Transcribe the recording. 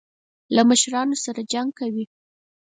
له مشرانو سره جنګ کوي.